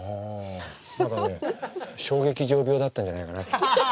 何かね小劇場病だったんじゃないかな。